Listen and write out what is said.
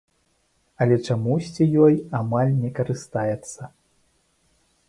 Але чамусьці ёй амаль не карыстаецца.